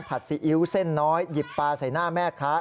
ซีอิ๊วเส้นน้อยหยิบปลาใส่หน้าแม่ค้า